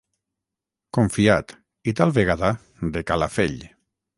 Confiat, i tal vegada de Calafell.